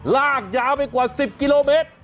ลากยาวไปกว่า๑๐กิโลเมตร